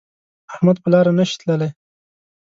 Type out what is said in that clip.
احمد په لاره نشي تللی